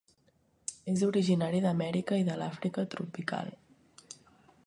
És originari d'Amèrica i de l'Àfrica tropical.